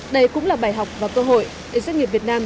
đây cũng là bài học và cơ hội để doanh nghiệp việt nam